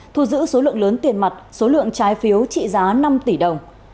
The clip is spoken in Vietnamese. thu giữ số lượng lớn tiền mặt số lượng trái phiếu trị giá năm tỷ đồng